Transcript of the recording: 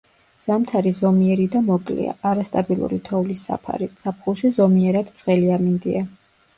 ზამთარი ზომიერი და მოკლეა, არასტაბილური თოვლის საფარით, ზაფხულში ზომიერად ცხელი ამინდია.